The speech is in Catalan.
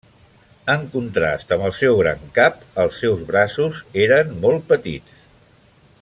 En contrast amb el seu gran cap, els seus braços eren molt petits.